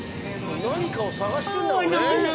何かを探してんだろうね。